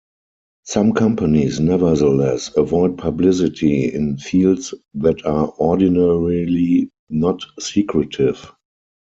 Some companies nevertheless avoid publicity in fields that are ordinarily not secretive.